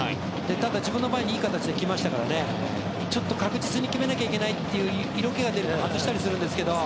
ただ、自分の前にいい形で来たので確実に決めなきゃいけないという色気が出ると外したりするんですけど。